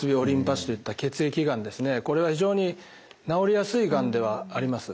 これは非常に治りやすいがんではあります。